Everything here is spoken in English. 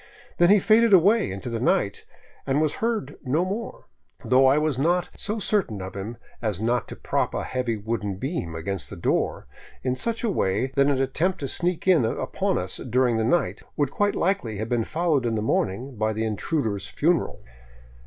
Then he faded away into the night and was heard no more, though I was not so certain of him as not to prop a heavy wooden beam against the door in such a way that an attempt to sneak in upon us during the night would quite likely have been followed in the morning by the intruder's funeral.